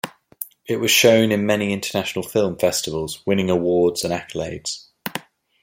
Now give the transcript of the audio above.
It was shown in many international film festivals, winning awards and accolades.